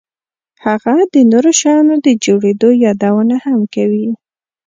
هغه د نورو شیانو د جوړېدو یادونه هم کوي